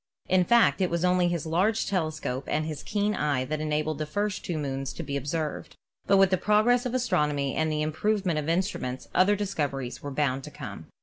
In fact, it was only his large telescope and his keen eye that enabled the first two moons to be observed. But with the progress of astronomy and the improvement of instruments other discoveries were bound to come.